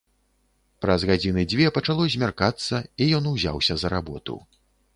Праз гадзіны дзве пачало змяркацца, і ён узяўся за работу.